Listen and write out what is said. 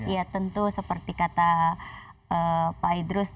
ya tentu seperti kata pak idrus